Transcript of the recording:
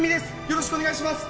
よろしくお願いします。